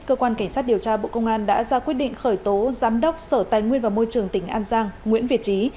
cơ quan cảnh sát điều tra bộ công an đã ra quyết định khởi tố giám đốc sở tài nguyên và môi trường tỉnh an giang nguyễn việt trí